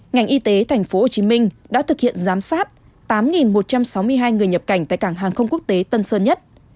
ngành y tế tp hcm đã thực hiện giám sát tám một trăm sáu mươi hai người nhập cảnh tại cảng hàng không quốc tế tân sơn nhất